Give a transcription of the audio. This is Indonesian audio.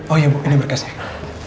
oh iya bu ini berkasnya